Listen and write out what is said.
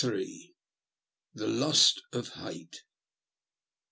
THE LUST OF HATB.